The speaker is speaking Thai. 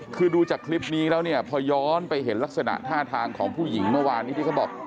คือดูจากคลิปนี้แล้วเนี่ยพอย้อนไปเห็นลักษณะท่าทางของผู้หญิงเมื่อวานนี้ที่เขาบอก